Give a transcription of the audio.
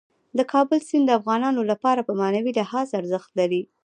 د کابل سیند د افغانانو لپاره په معنوي لحاظ ارزښت لري.